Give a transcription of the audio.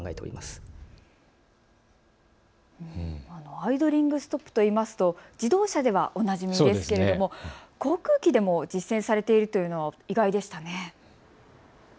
アイドリングストップといいますと自動車ではおなじみですけれども航空機でも実践されているというのは意外でしたね。